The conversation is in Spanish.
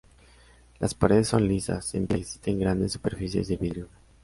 Las paredes son lisas, en piedra, y existen grandes superficies de vidrio.